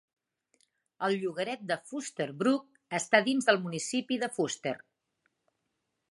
El llogaret de Foster Brook està dins del municipi de Foster.